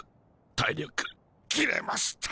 体力切れました。